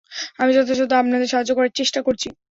আমি যথাসাধ্য আপনাদের সাহায্য করার চেষ্টা করছি।